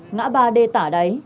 ngã ba d tả đáy